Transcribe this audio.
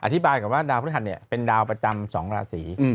อธิบายก่อนว่าดาวพฤหัสเนี่ยเป็นดาวประจำ๒ราศี